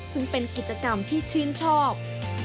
ซึ่งเป็นกิจกรรมที่ชื่นชอบ